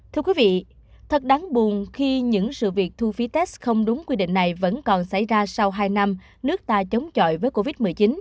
thưa quý vị thật đáng buồn khi những sự việc thu phí test không đúng quy định này vẫn còn xảy ra sau hai năm nước ta chống chọi với covid một mươi chín